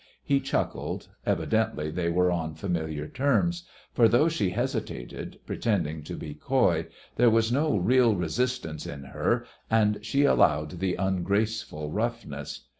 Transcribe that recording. He chuckled; evidently they were on familiar terms, for though she hesitated, pretending to be coy, there was no real resistance in her, and she allowed the ungraceful roughness.